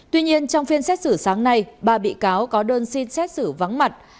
tuy nhiên trong phiên xét xử sáng nay ba bị cáo có đơn xin xét xử vắng mặt